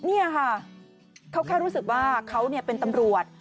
นี่ค่ะเขาแค่รู้สึกว่าเขาเป็นตำรวจ